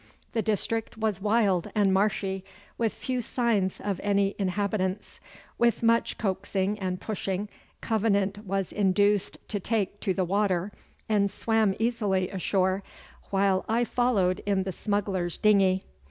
The district was wild and marshy, with few signs of any inhabitants. With much coaxing and pushing Covenant was induced to take to the water, and swam easily ashore, while I followed in the smuggler's dinghy.